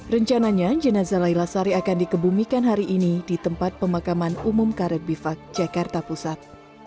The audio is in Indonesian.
rencananya jenazah laila sari akan dikebumikan hari ini di tempat pemakaman umum karet bifak jakarta pusat